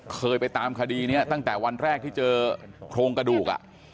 เคยไปตามคดีนี้ตั้งแต่วันแรกที่เจอโครงกระดูก